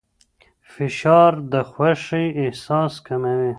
فشار د خوښۍ احساس کموي.